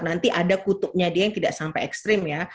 nanti ada kutubnya dia yang tidak sampai ekstrim ya